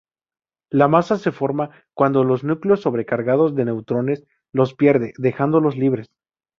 La masa se forma cuando los núcleos sobrecargados de neutrones los pierden, dejándolos libres.